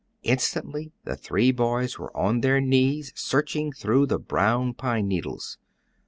Instantly the three boys were on their knees searching through the brown pine needles.